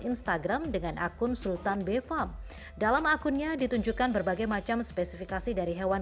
instagram dengan akun sultan be farm dalam akunnya ditunjukkan berbagai macam spesifikasi dari hewan